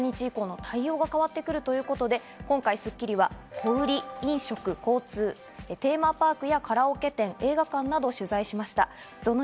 これに伴って企業や事業者は１３日以降の対応が変わってくるということで、今回『スッキリ』は小売、飲食、交通、テーマパークやカラオケ店、映画館などを取材しました。